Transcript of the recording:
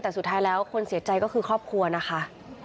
แต่สุดท้ายแล้วคนเสียใจก็คือครอบครัวนะคะ